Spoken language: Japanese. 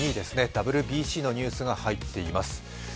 ＷＢＣのニュースが入っています。